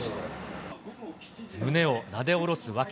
胸をなでおろす訳。